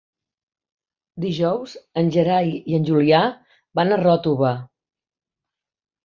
Dijous en Gerai i en Julià van a Ròtova.